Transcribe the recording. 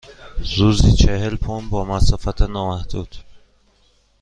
روزی چهل پوند با مسافت نامحدود.